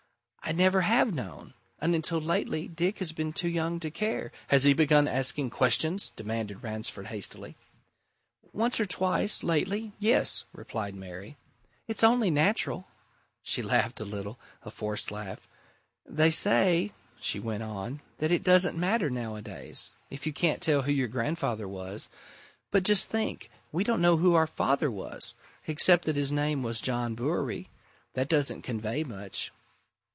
I never have known, and until lately Dick has been too young to care " "Has he begun asking questions?" demanded Ransford hastily. "Once or twice, lately yes," replied Mary. "It's only natural." She laughed a little a forced laugh. "They say," she went on, "that it doesn't matter, nowadays, if you can't tell who your grandfather was but, just think, we don't know who our father was except that his name was John Bewery. That doesn't convey much."